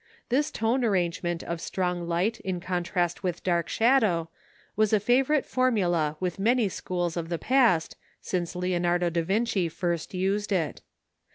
This tone arrangement of strong light in contrast with dark shadow was a favourite formula with many schools of the past, since Leonardo da Vinci first used it.